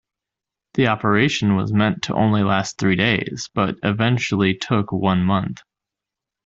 The operation was meant to last only three days, but eventually took one month.